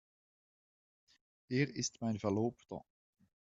Er ist mein Verlobter.